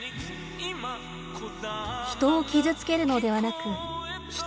人を傷つけるのではなく人を思いやる。